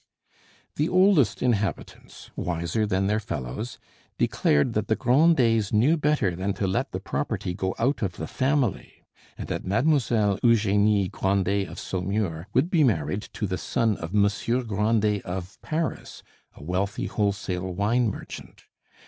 The oldest inhabitants, wiser than their fellows, declared that the Grandets knew better than to let the property go out of the family, and that Mademoiselle Eugenie Grandet of Saumur would be married to the son of Monsieur Grandet of Paris, a wealthy wholesale wine merchant.